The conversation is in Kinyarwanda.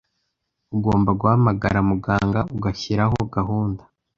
Ugomba guhamagara muganga ugashyiraho gahunda.